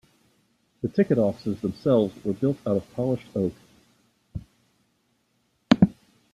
The ticket offices themselves were built out of polished oak.